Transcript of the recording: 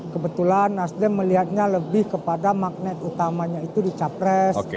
kebetulan nasdem melihatnya lebih kepada magnet utamanya itu di capres